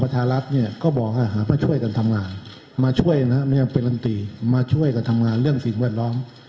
พักษ์ก็บอกว่ามาช่วยกันทำงานเป็นอันตรีมาช่วยกันถามงานเรื่องสิ่งแวดล้อม